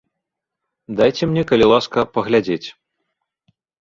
Дайце мне, калі ласка, паглядзець.